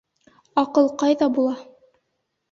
АҠЫЛ ҠАЙҘА БУЛА?